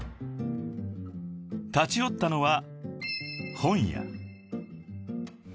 ［立ち寄ったのは］